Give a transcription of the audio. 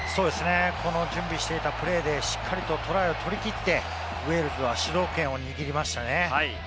この準備していたプレーでしっかりとトライを取り切って、ウェールズは主導権を握りましたね。